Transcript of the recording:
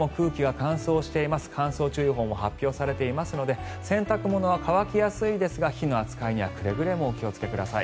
乾燥注意報も発表されていますので洗濯物は乾きやすいですが火の扱いにはくれぐれもお気をつけください。